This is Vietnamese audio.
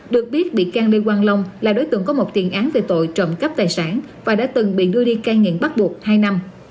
được biết bị can lê quang long là đối tượng có một tiền án về tội trộm cắp tài sản và đã từng bị đưa đi cai nghiện bắt buộc hai năm